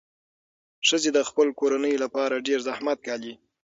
ښځې د خپلو کورنیو لپاره ډېر زحمت ګالي.